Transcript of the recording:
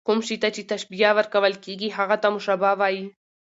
کوم شي ته چي تشبیه ورکول کېږي؛ هغه ته مشبه وايي.